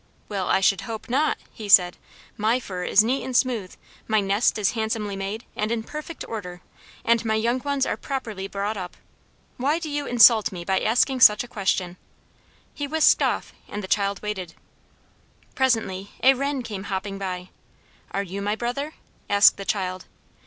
"Well, I should hope not!" he said. "My fur is neat and smooth, my nest is handsomely made, and in perfect order, and my young ones are properly brought up. Why do you insult me by asking such a question?" He whisked off, and the child waited. Presently a wren came hopping by. "Are you my brother?" asked the child.